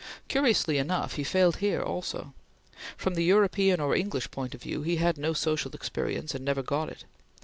Curiously enough, he failed here also. From the European or English point of view, he had no social experience, and never got it.